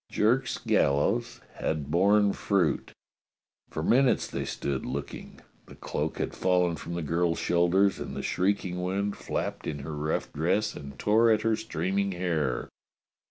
Jerk's gallows had borne fruit. For minutes they stood looking. The cloak had fallen from the girl's shoulders, and the shrieking wind flapped in her rough dress and tore at her streaming hair.